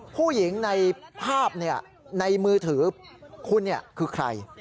ผู้หญิงในภาพในมือถือคุณคือใคร